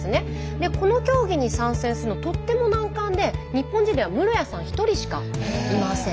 でこの競技に参戦するのとっても難関で日本人では室屋さん１人しかいません。